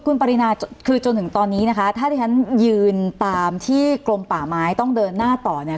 คุณปรินาคือจนถึงตอนนี้นะคะถ้าที่ฉันยืนตามที่กรมป่าไม้ต้องเดินหน้าต่อเนี่ย